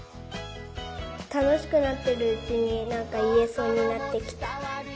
たのしくなってるうちになんかいえそうになってきた。